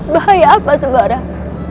bahaya apa sembarang